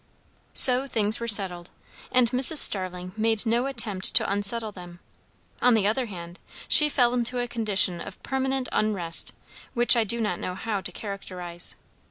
So things were settled, and Mrs. Starling made no attempt to unsettle them; on the other hand, she fell into a condition of permanent unrest which I do not know how to characterize.